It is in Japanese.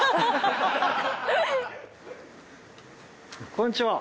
こんにちは。